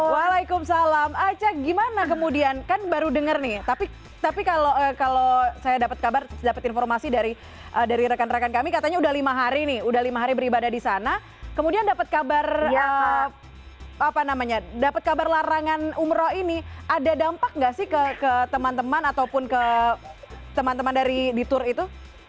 waalaikumsalam aca gimana kemudian kan baru denger nih tapi kalau saya dapat kabar dapat informasi dari rekan rekan kami katanya udah lima hari nih udah lima hari beribadah di sana kemudian dapat kabar larangan umroh ini ada dampak gak sih ke teman teman ataupun ke teman teman dari di tour itu